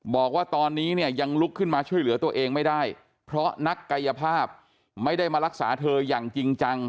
บอกว่าตอนนี้เนี่ยยังลุกขึ้นมาช่วยเหลือตัวเองไม่ได้เพราะนักกายภาพไม่ได้มารักษาเธออย่างจริงจัง